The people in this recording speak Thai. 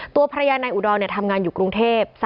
ตัวภรรยานายอุดรนพระคุณนี่ทำงานอยู่กรุงเทพฯ